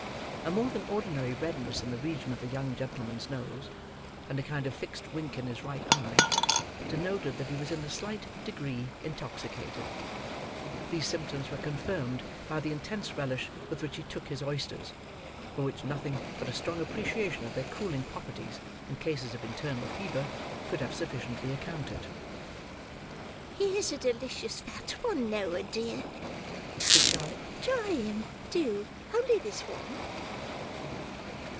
A more than ordinary redness in the region of the young gentleman's nose, and a kind of fixed wink in his right eye, denoted that he was in a slight degree intoxicated; these symptoms were confirmed by the intense relish with which he took his oysters, for which nothing but a strong appreciation of their cooling properties, in cases of internal fever, could have sufficiently accounted. "Here's a delicious fat one, Noah, dear!" said Charlotte; "try him, do; only this one."